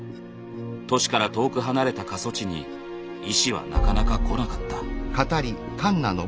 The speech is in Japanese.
都市から遠く離れた過疎地に医師はなかなか来なかった。